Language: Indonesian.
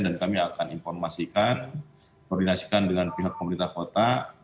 dan kami akan informasikan koordinasikan dengan pihak komunitas kota